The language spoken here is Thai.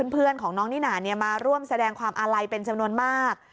เพื่อนของน้องนิน่ามาร่วมแสดงความอาลัยเป็นจำนวนมาก